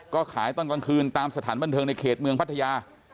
ก็ขายตอนกลางคืนตามสถานบันเทิงในเขตเมืองพัทยา